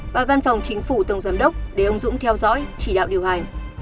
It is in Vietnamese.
và văn phòng chính phủ tổng giám đốc để ông dũng theo dõi chỉ đạo điều hành